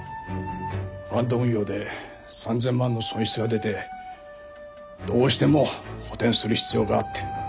ファンド運用で３０００万の損失が出てどうしても補填する必要があって。